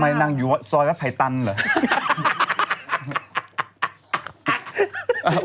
ทำไมนางอยู่ซอยวัดไพร์ตันเหรอ